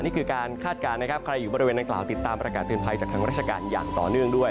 นี่คือการคาดการณ์นะครับใครอยู่บริเวณนางกล่าวติดตามประกาศเตือนภัยจากทางราชการอย่างต่อเนื่องด้วย